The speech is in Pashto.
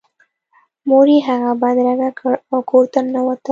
مور یې هغه بدرګه کړ او کور ته ننوتل